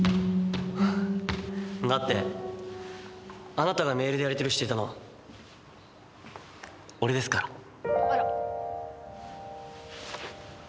だってあなたがメールでやりとりしていたの俺ですから。